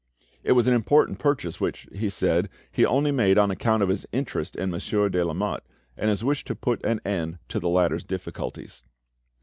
It was an important purchase, which, he said, he only made on account of his interest in Monsieur de Lamotte, and his wish to put an end to the latter's difficulties.